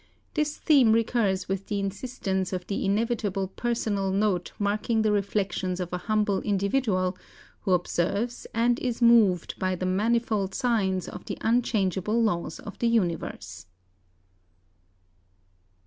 This theme recurs with the insistence of the inevitable personal note marking the reflections of a humble individual, who observes and is moved by the manifold signs of the unchangeable laws of the Universe."